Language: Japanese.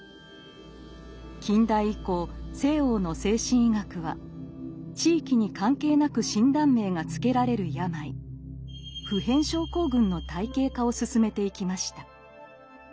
近代以降西欧の精神医学は地域に関係なく診断名が付けられる病「普遍症候群」の体系化を進めていきました。